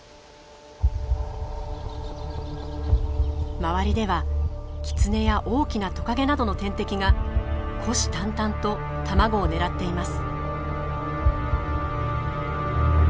周りではキツネや大きなトカゲなどの天敵が虎視たんたんと卵を狙っています。